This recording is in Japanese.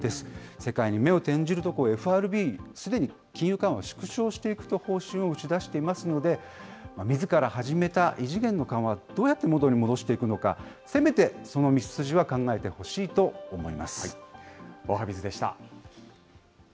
世界に目を転じると、ＦＲＢ、すでに金融緩和、縮小していく方針を打ち出していますので、みずから始めた異次元の緩和、どうやって元に戻していくのか、せめてそおはＢｉｚでした。